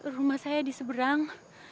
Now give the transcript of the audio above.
rumah saya di seberang